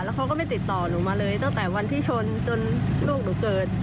เขาก็ไม่ติดต่อหนูมาเลยตั้งแต่วันที่ชนจนลูกหนูเกิด